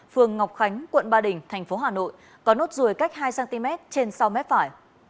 phường ngọc khánh quận ba đình tp hà nội có nốt ruồi cách hai cm trên sau mép phải